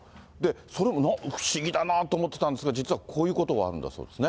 それも不思議だなと思ってたんですが、実はこういうことがあるんだそうですね。